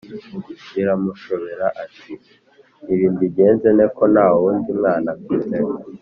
biramushobera ati: “ibimbigenze nte, ko nta wundi mwana mfite